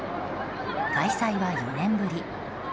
開催は４年ぶり